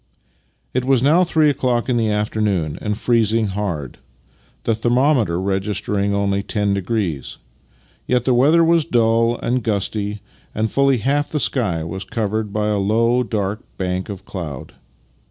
It was now three o'clock in the afternoon and freezing hard, the thermometer registering only ten degrees ; yet the weather was dull and gusty, and fully half the sky was covered by a low, dark bank of cloud.